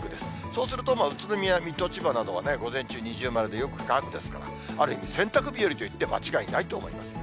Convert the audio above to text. そうすると宇都宮、水戸、千葉などは午前中二重丸でよく乾くですから、ある意味、洗濯日和と言って間違いないと思います。